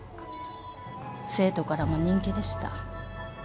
生徒からも人気でした。